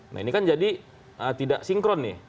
nah ini kan jadi tidak sinkron nih